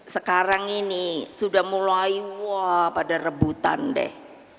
sekarang ini sudah mulai wah pada rebutan deh